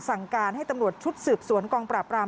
สั่งการให้ตำรวจชุดสืบสวนกองปราบราม